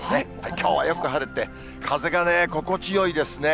きょうはよく晴れて、風が心地よいですね。